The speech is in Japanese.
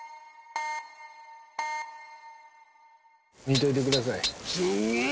［見といてください］